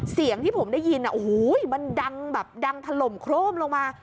เสียงที่ผมได้ยินมันดังถล่มโครมลงมา